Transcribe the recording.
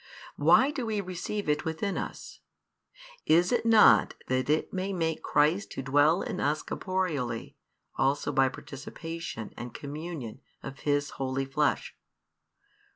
Why do we receive it within us? Is it not that it may make Christ to dwell in us corporeally also by participation and communion of His Holy Flesh?